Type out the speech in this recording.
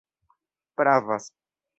pravas